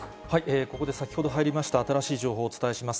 ここで先ほど入りました新しい情報をお伝えします。